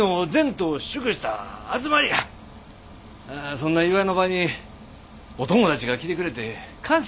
そんな祝いの場にお友達が来てくれて感謝。